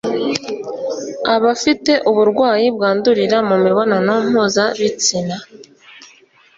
abafite uburwayi bwandurira mu mibonano mpuzabitsina